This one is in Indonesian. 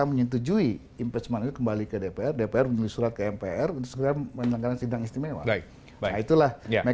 menyetujui impeachment kembali ke dpr dpr menyulit ke mpr dan segera melanggaran sidang istimewa itulah